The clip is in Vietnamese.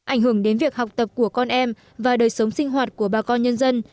ảnh hưởng đến việc học tập của con em và đời sống sinh hoạt của bà con nhân dân